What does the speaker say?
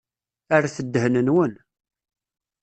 Rret ddhen-nwen.